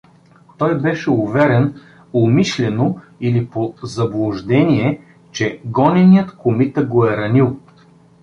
Той беше уверен, умишлено или по заблуждение, че гоненият комита го е ранил.